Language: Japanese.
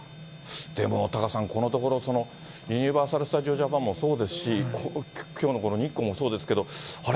でも、タカさん、このところ、ユニバーサル・スタジオ・ジャパンもそうですし、きょうのこの日光もそうですけど、あれ？